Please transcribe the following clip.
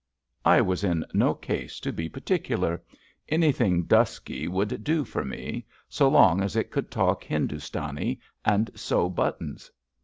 I was in no case to be particular. Anything dusky would 290 ABAFT THE FUNNEL do for me, so long as it could talk Hindustani and sew buttons.